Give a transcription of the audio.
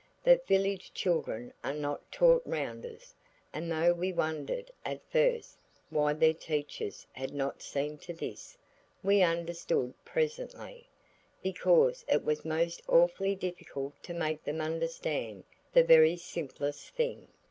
But village children are not taught rounders, and though we wondered at first why their teachers had not seen to this, we understood presently. Because it is most awfully difficult to make them understand the very simplest thing.